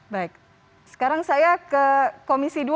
baik sekarang saya ke komisi dua